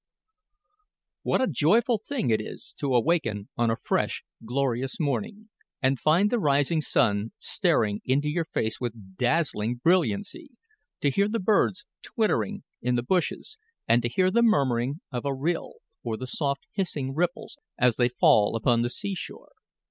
What a joyful thing it is to awaken on a fresh, glorious morning, and find the rising sun staring into your face with dazzling brilliancy! to hear the birds twittering in the bushes, and to hear the murmuring of a rill, or the soft, hissing ripples as they fall upon the seashore!